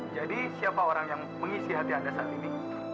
jadi siapa orang yang mengisi hati anda saat ini